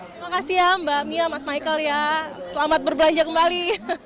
terima kasih ya mbak mia mas michael ya selamat berbelanja kembali